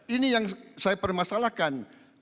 ini yang saya permasalahkan